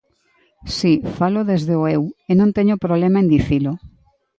Si, falo desde o eu e non teño problema en dicilo.